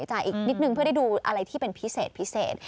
จ่ายอีกนิดนึงเพื่อได้ดูอะไรที่เป็นพิเศษพิเศษ